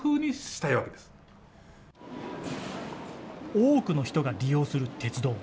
多くの人が利用する鉄道。